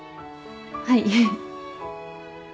はい。